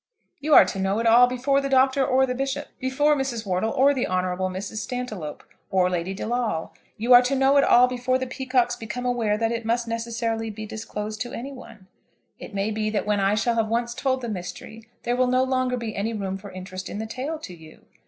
You are to know it all before the Doctor or the Bishop, before Mrs. Wortle or the Hon. Mrs. Stantiloup, or Lady De Lawle. You are to know it all before the Peacockes become aware that it must necessarily be disclosed to any one. It may be that when I shall have once told the mystery there will no longer be any room for interest in the tale to you.